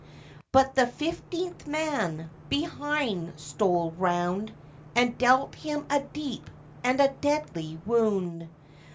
But the fifteenth man behind stole round, And dealt him a deep and a deadly wound.